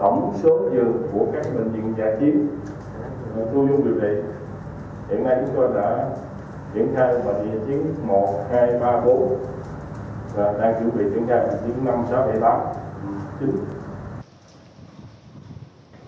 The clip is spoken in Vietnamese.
tổng số dường của các bệnh viện trả chiếm tôi và quý vị hiện nay chúng tôi đã chuyển khai